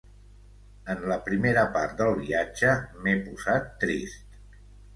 En la primera part del viatge m'he posat trist.